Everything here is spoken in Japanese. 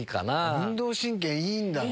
運動神経いいんだね。